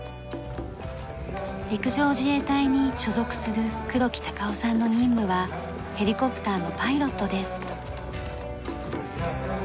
陸上自衛隊に所属する黒木貴夫さんの任務はヘリコプターのパイロットです。